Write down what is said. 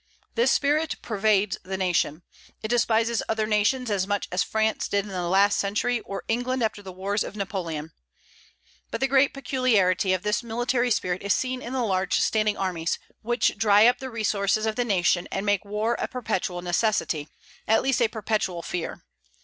This spirit pervades the nation. It despises other nations as much as France did in the last century, or England after the wars of Napoleon. But the great peculiarity of this military spirit is seen in the large standing armies, which dry up the resources of the nation and make war a perpetual necessity, at least a perpetual fear.